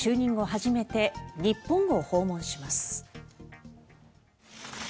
初めて日本を訪問します。